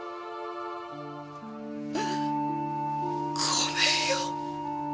ごめんよ。